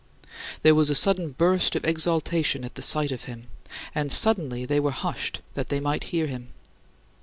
There was a sudden burst of exaltation at the sight of him, and suddenly they were hushed that they might hear him.